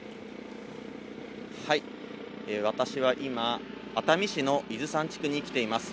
私は今、熱海市の伊豆山地区に来ています。